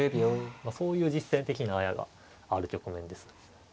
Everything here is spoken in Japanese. そういう実戦的なあやがある局面です。